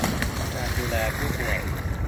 การดูแลผู้ป่วย